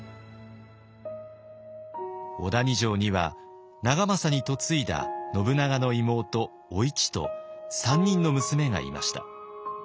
小谷城には長政に嫁いだ信長の妹お市と３人の娘がいました。